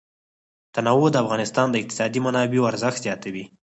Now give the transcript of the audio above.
تنوع د افغانستان د اقتصادي منابعو ارزښت زیاتوي.